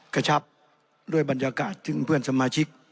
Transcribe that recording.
กระชับด้วยบรรยากาศถึงเพื่อนสมาชิก